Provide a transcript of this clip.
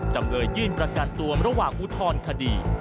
จำเลยยื่นประกันตัวระหว่างอุทธรณคดี